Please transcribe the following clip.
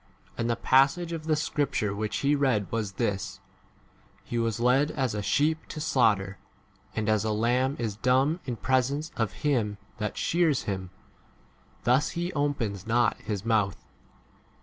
And the passage of the scripture which he read was this : He was led as a sheep to slaughter, and as a lamb is dumb in presence of him that shears him, thus he opens not his mouth.